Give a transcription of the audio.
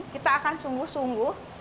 kita akan sungguh sungguh